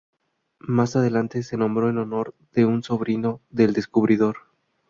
Más adelante, se nombró en honor de un sobrino del descubridor.